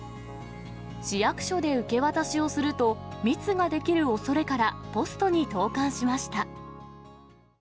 市役所で受け渡しをすると、密が出来るおそれから、ポストに投かんしました。